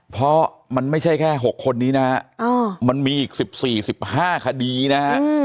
เพราะมันไม่ใช่แค่๖คนนี้นะฮะมันมีอีก๑๔๑๕คดีนะฮะ